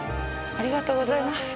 ありがとうございます。